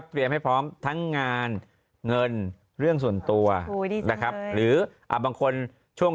ให้พร้อมทั้งงานเงินเรื่องส่วนตัวนะครับหรือบางคนช่วง